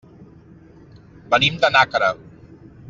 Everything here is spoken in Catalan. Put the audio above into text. Venim de Nàquera.